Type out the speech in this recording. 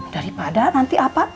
daripada nanti apa